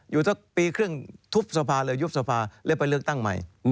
อยู่สักปีครึ่งทุบสภาเลยยุบสภาแล้วไปเลือกตั้งใหม่